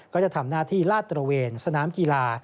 ก็จะทำหน้าที่ลาดตระเวนสนามกีฬา